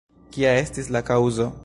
Kia estis la kaŭzo?